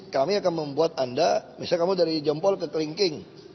kami akan membuat anda misalnya kamu dari jempol ke kelingking